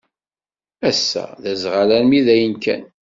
Ass-a, d aẓɣal armi d ayen kan.